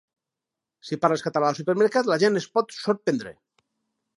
Si parles català al supermercat, la gent es pot sorprendre.